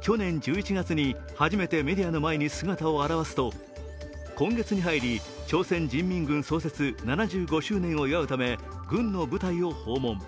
去年１１月に初めてメディアの前に姿を現すと今月に入り、朝鮮人民軍創設７５周年を祝うため、軍の部隊を訪問。